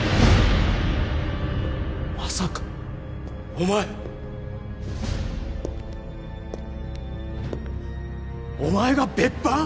まさかお前お前が別班？